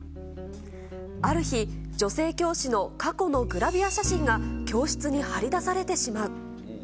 ある日、女性教師の過去のグラビア写真が教室に貼り出されてしまう。